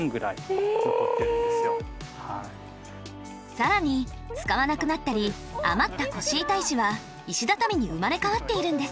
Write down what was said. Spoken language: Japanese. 更に使わなくなったり余った腰板石は石畳に生まれ変わっているんです。